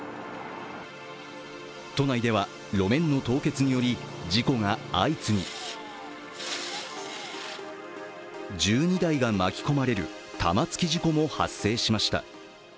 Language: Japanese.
都内では路面の凍結により事故が相次ぎ１２台が巻き込まれる玉突き事故も発生しました。